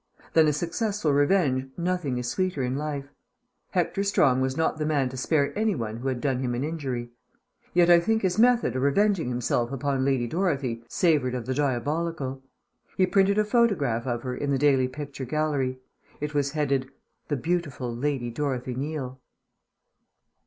Than a successful revenge nothing is sweeter in life. Hector Strong was not the man to spare anyone who had done him an injury. Yet I think his method of revenging himself upon Lady Dorothy savoured of the diabolical. He printed a photograph of her in The Daily Picture Gallery. It was headed "The Beautiful Lady Dorothy Neal."